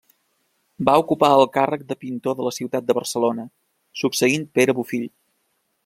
Va ocupar el càrrec de pintor de la ciutat de Barcelona, succeint Pere Bofill.